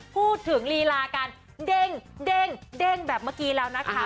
พูดถึงรีลาการเด้งเด้งเด้งแบบเมื่อกี้แล้วนะคะ